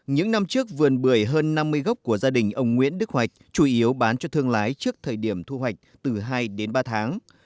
những năm trước vườn bưởi hơn năm mươi gốc của gia đình ông nguyễn đức hoạch chủ yếu bán cho thương lái trước thời điểm thu hoạch từ hai đến ba tháng